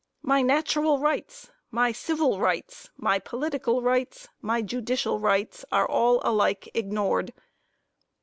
My natural rights, my civil rights, my political rights, my judicial rights, are all alike ignored.